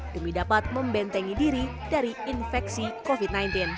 demi dapat membentengi diri dari infeksi covid sembilan belas